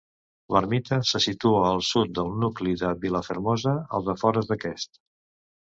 L'ermita se situa al sud del nucli de Vilafermosa, als afores d'aquest.